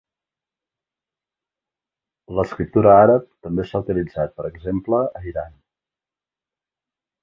L'escriptura àrab també s'ha utilitzat, per exemple, a Iran.